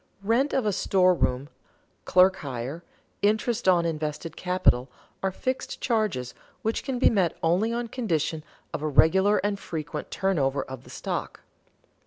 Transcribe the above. Rent of store room, clerk hire, interest on invested capital are fixed charges, which can be met only on condition of a regular and frequent turnover of the stock.